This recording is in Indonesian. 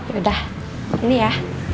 yaudah ini ya